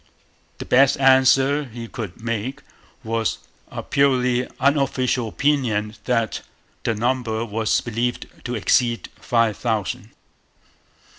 The best answer he could make was a purely 'unofficial opinion' that the number was believed to exceed five thousand.